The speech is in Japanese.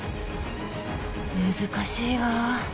難しいわ。